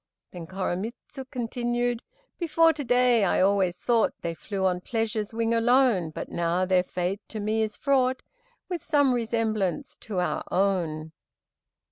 Then Koremitz continued: "Before to day I always thought They flew on pleasure's wing alone, But now their fate to me is fraught With some resemblance to our own."